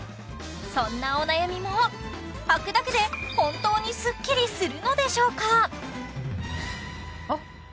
そんなお悩みもはくだけで本当にスッキリするのでしょうか？